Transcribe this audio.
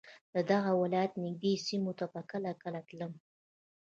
د دغه ولایت نږدې سیمو ته به کله کله تلم.